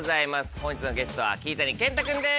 本日のゲストは桐谷健太君です。